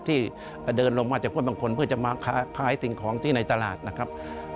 ที่เดินลงมาจากห้วยบางคนเพื่อจะมาขายสิ่งของที่ในตลาดนะครับ